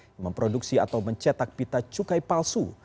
yang memproduksi atau mencetak pita cukai palsu